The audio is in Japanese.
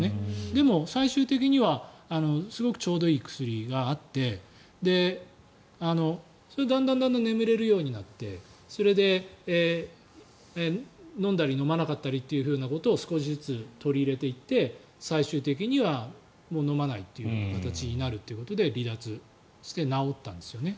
でも、最終的にはすごくちょうどいい薬があってだんだん眠れるようになってそれで飲んだり飲まなかったりということを少しずつ取り入れていって最終的には飲まないという形になるということで離脱して治ったんですよね。